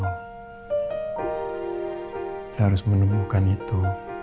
saya harus menemukan itu